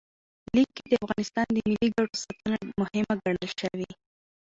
لیک کې د افغانستان د ملي ګټو ساتنه مهمه ګڼل شوې.